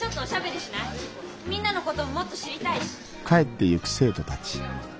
みんなのことももっと知りたいし。